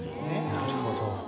なるほど。